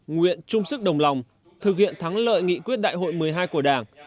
nguyện chung sức đồng lòng thực hiện thắng lợi nghị quyết đại hội một mươi hai của đảng